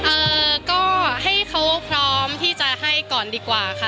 เอ่อก็ให้เขาพร้อมที่จะให้ก่อนดีกว่าค่ะ